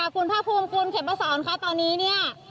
คุณภาคภูมิคุณเข็มมาสอนค่ะตอนนี้เนี่ย